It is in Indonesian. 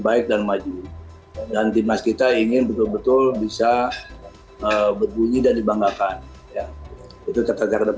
baik dan maju dan timnas kita ingin betul betul bisa berbunyi dan dibanggakan itu